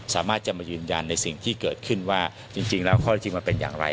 สามารถจะมายืนยันในสิ่งที่เกิดขึ้นว่าจริงแล้วข้อที่จริงมันเป็นอย่างไร